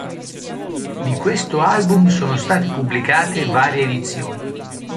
Di questo album sono state pubblicate varie edizioni.